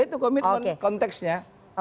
itu komitmen konteksnya